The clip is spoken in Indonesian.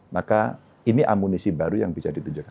maka ini amunisi baru yang bisa ditunjukkan